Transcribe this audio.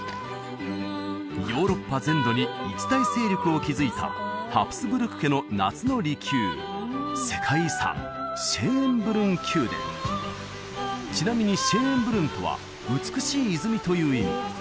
ヨーロッパ全土に一大勢力を築いたハプスブルク家の夏の離宮ちなみにシェーンブルンとは美しい泉という意味